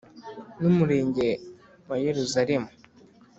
n’umurenge wa Yeruzalemu.